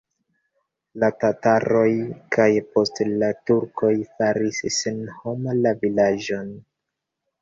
La tataroj kaj poste la turkoj faris senhoma la vilaĝon.